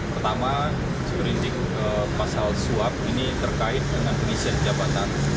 seperindik pasal suap ini terkait dengan penisian jabatan